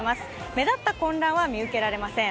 目立った混乱は見受けられません。